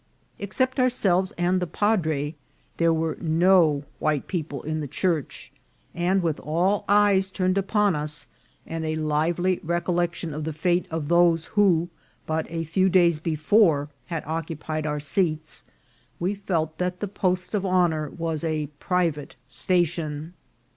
Except ourselves and the padre, there were no white people in the church ; and, with all eyes turned upon us, and a lively recollection of the fate of those who but a few days before had occupied our seats, we felt that the post of honour was a private station.